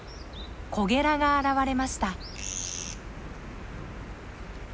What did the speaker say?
コゲラが現れました。